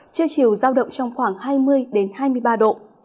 trưa chiều giao động trong khoảng hai mươi hai mươi ba độ